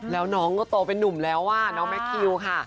แล้วน้องก็โตเป็นนุ่มแล้วน้องแมคคิวค่ะ